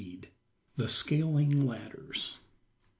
THE SCALING LADDERS.